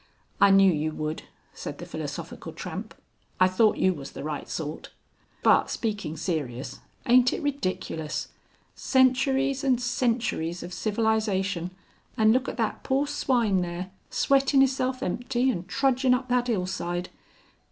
"I knew you would," said the Philosophical Tramp. "I thought you was the right sort. But speaking serious, aint it ridiculous? centuries and centuries of civilization, and look at that poor swine there, sweatin' 'isself empty and trudging up that 'ill side.